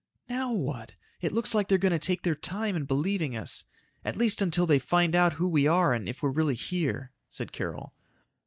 "Now what? It looks like they're going to take their time in believing us. At least until they find out who we are and if we're really here," said Carol.